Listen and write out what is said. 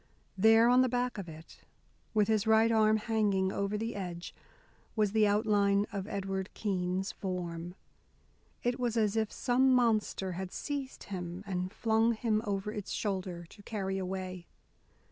There, on the back of it, with his right arm hanging over the edge, was the outline of Edward Keene's form. It was as if some monster had seized him and flung him over its shoulder to carry away.